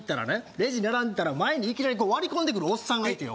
レジ並んでたら前にいきなり割り込んでくるおっさんがいてよ